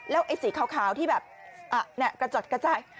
แล้วไอ้สีขาวที่แบบอ่ะเนี่ยกระจอดกระจ่าย